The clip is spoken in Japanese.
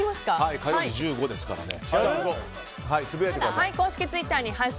火曜日、１５ですからね。